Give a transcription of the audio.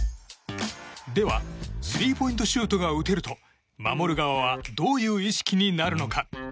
では、スリーポイントシュートが打てると守る側はどういう意識になるのか？